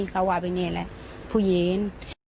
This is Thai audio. เขาว่าเป็นเนี้ยแหละผู้หญิง